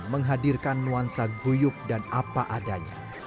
menghadirkan nuansa guyup dan apa adanya